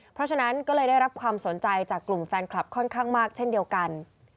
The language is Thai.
เพราะฉะนั้นก็เลยได้รับความสนใจจากกลุ่มแฟนคลับค่อนข้างมากเช่นเดียวกัน